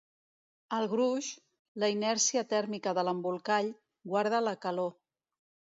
El gruix, la inèrcia tèrmica de l'embolcall, guarda la calor.